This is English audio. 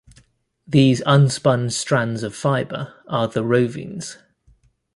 These unspun strands of fibre are the rovings.